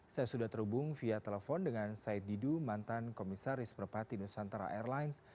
saya sudah terhubung via telepon dengan said didu mantan komisaris merpati nusantara airlines